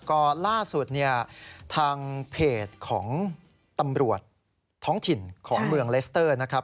ก็ล่าสุดเนี่ยทางเพจของตำรวจท้องถิ่นของเมืองเลสเตอร์นะครับ